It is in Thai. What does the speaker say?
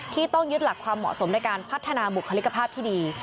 ต้องยึดหลักความเหมาะสมในการพัฒนาบุคลิกภาพที่ดี